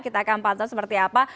kita akan pantau seperti apa